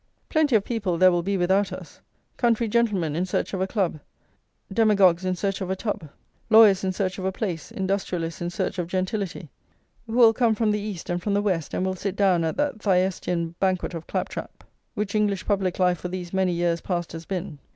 Plenty of people there will be without us, country gentlemen in search of a club, demagogues in search of a tub, lawyers in search of a place, industrialists in search of gentility, who will come from the east and from the west, and will sit down at that Thyesteän banquet of clap trap, which English public life for these many years past has been.